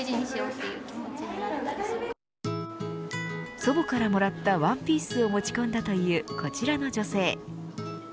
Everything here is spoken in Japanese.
祖母からもらったワンピースを持ち込んだというこちらの女性。